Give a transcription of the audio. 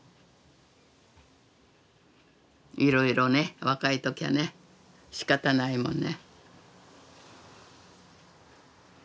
いろいろね若い時はねしかたないもんね。